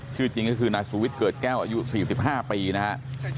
ชื่อจริงก็คือนายสุวิทย์เกิดแก้วอายุ๔๕ปีนะครับ